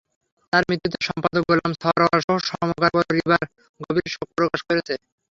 তাঁর মৃত্যুতে সম্পাদক গোলাম সারওয়ারসহ সমকাল পরিবার গভীর শোক প্রকাশ করেছে।